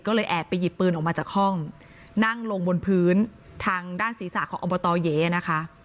ก็เลยแอบไปหยิบปืนออกมาจากห้องนั่งลงบนพื้นทางด้านศีรษะของอบตเยนะคะ